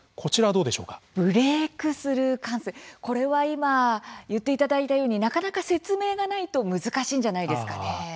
今、言っていただいたようになかなか説明がないと難しいんじゃないですかね。